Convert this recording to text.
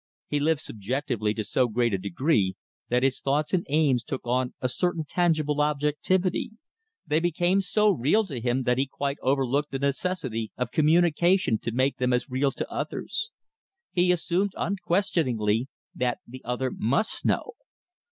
He lived subjectively to so great a degree that his thoughts and aims took on a certain tangible objectivity, they became so real to him that he quite overlooked the necessity of communication to make them as real to others. He assumed unquestioningly that the other must know.